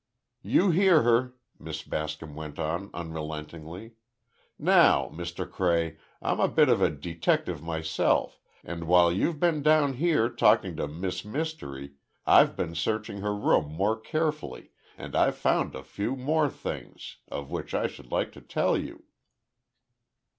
"You hear her," Miss Bascom went on, unrelentingly. "Now, Mr. Cray, I'm a bit of a detective myself, and while you've been down here talking to Miss Mystery, I've been searching her room more carefully, and I've found a few more things, of which I should like to tell you."